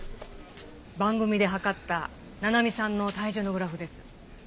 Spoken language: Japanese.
番組で量った七海さんの体重のグラフです。